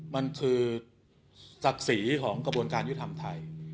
มันคือศักดิ์ศรีของกระบวนการยุทธรรมไทย